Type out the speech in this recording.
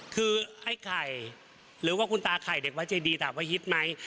คือไอ้ไข่หรือว่าคุณตาไข่เด็กวัดเจดีถามว่าฮิตไหม